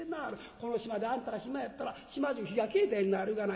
この島であんたが暇やったら島中火が消えたようになるがな。